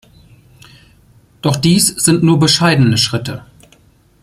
Doch dies sind nur bescheidene Schritte.